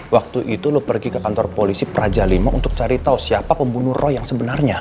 waktu itu lo pergi ke kantor polisi praja lima untuk cari tau siapa pembunuh roy yang sebenarnya